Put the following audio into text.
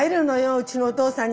うちのお父さんに。